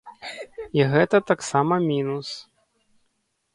І гэта таксама мінус.